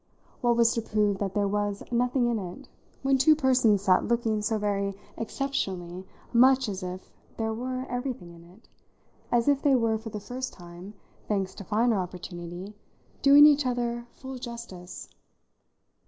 What was to prove that there was "nothing in it" when two persons sat looking so very exceptionally much as if there were everything in it, as if they were for the first time thanks to finer opportunity doing each other full justice?